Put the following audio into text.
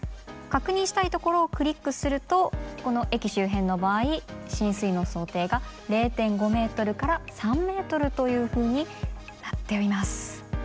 確認したいところをクリックするとこの駅周辺の場合浸水の想定が０．５ｍから３ｍというふうになっています。